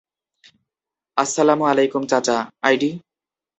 আসসালামু আলাইকুম চাচা, আইডি?